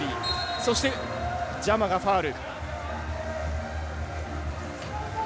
そして、ジャマがファウル。